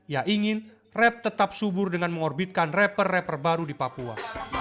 ia ingin rap tetap subur dengan mengorbitkan rapper rapper baru di papua